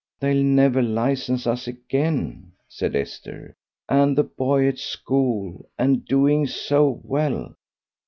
"They'll never license us again," said Esther, "and the boy at school and doing so well."